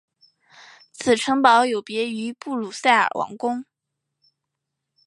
此城堡有别于布鲁塞尔王宫。